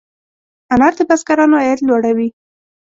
انار د بزګرانو عاید لوړوي.